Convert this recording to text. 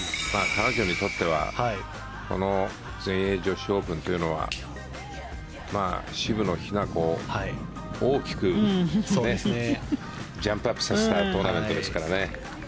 彼女にとってはこの全英女子オープンというのは渋野日向子を大きくジャンプアップさせたトーナメントですからね。